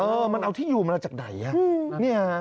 เออมันเอาที่อยู่มันมาจากไหน